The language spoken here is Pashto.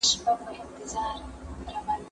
زه به سبا ځواب وليکم!!